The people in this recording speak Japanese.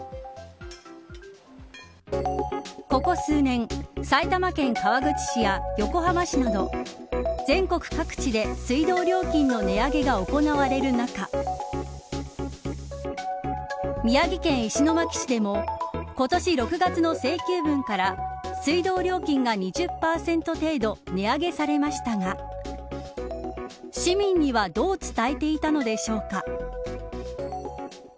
ここ数年埼玉県川口市や横浜市など全国各地で水道料金の値上げが行われる中宮城県石巻市でも今年６月の請求分から水道料金が２０％程度値上げされましたが市民にはどう伝えていたのでしょうか。